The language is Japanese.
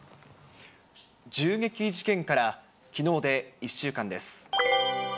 銃撃事件からきのうで１週間です。